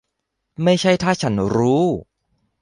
ไม่ใช่ถ้าฉันรู้ !